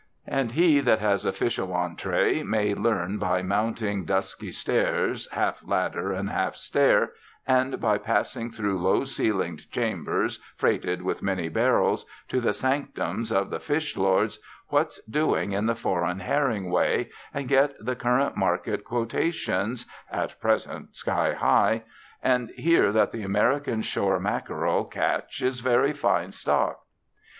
And he that has official entree may learn, by mounting dusky stairs, half ladder and half stair, and by passing through low ceilinged chambers freighted with many barrels, to the sanctums of the fish lords, what's doing in the foreign herring way, and get the current market quotations, at present sky high, and hear that the American shore mackerel catch is very fine stock.